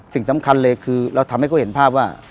สิ่งสำคัญเลยคือเราทำให้เขาเห็นภาพว่า